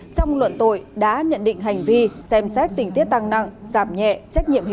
trong luận tội đã nhận định hành vi xem xét tình tiết tăng nặng giảm nhẹ